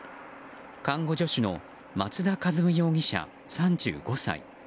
看護助手の松田一夢容疑者、３５歳。